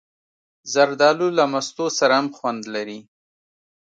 زردالو له مستو سره هم خوند لري.